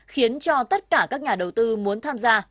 khiến cho tất cả các nhà đầu tư muốn tham gia